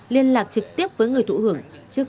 liên lạc trực tiếp với người thủ hưởng